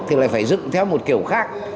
thì lại phải dựng theo một kiểu khác